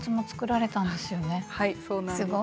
はいそうなんです。